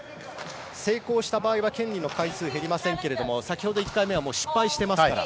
成功した場合は権利の回数が減りませんが先ほど１回目は失敗してますから。